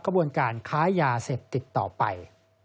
กระบวนการค้ายาเสพติดต่อไป